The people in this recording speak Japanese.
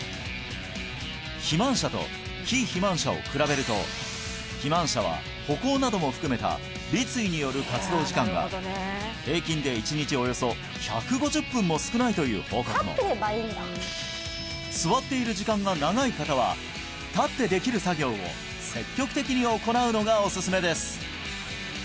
肥満者と非肥満者を比べると肥満者は歩行なども含めた立位による活動時間が平均で１日およそ１５０分も少ないという報告も座っている時間が長い方は立ってできる作業を積極的に行うのがおすすめです